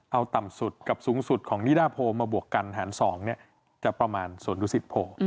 เอาต่ำสุดกับสูงสุดของนิดาโพลมาบวกกันหารสองเนี่ยจะประมาณส่วนลูกศิษย์โพล